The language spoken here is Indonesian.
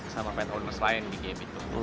sama pen owners lain di game itu